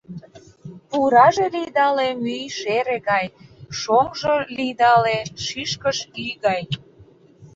Пураже лийдале мӱй шере гай, шоҥжо лийдале шӱшкыш ӱй гай.